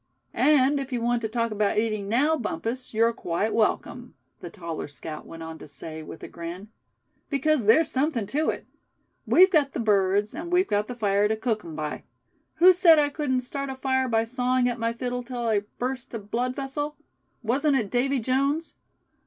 "And if you want to talk about eating now, Bumpus, you're quite welcome," the taller scout went on to say, with a grin; "because there's something to it. We've got the birds, and we've got the fire to cook 'em by. Who said I couldn't start a fire by sawin' at my fiddle till I burst a blood vessel? Wasn't it Davy Jones?